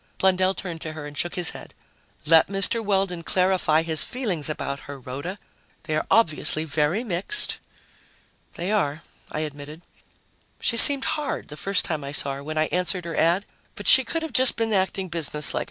Blundell turned to her and shook his head. "Let Mr. Weldon clarify his feelings about her, Rhoda. They are obviously very mixed." "They are," I admitted. "She seemed hard, the first time I saw her, when I answered her ad, but she could have been just acting businesslike.